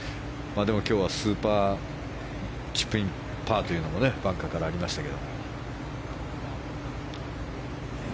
でも今日はスーパーチップインパーもバンカーからありましたけども。